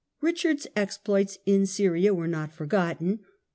Richard^s exploits in Syria were not forgotten.